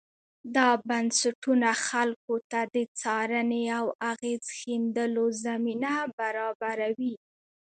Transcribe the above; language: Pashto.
دا بنسټونه خلکو ته د څارنې او اغېز ښندلو زمینه برابروي.